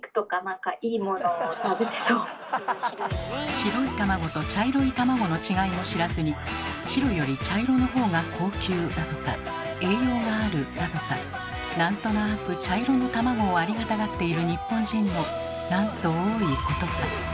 白い卵と茶色い卵の違いも知らずに白より茶色のほうが高級だとか栄養があるだとかなんとなく茶色の卵をありがたがっている日本人のなんと多いことか。